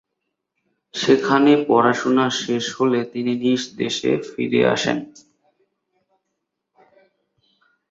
সেখানে পড়াশোনা শেষ হলে তিনি নিজ দেশে ফিরে আসেন।